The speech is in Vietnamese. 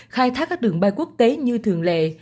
khai thác các đường bay quốc tế như thường lệ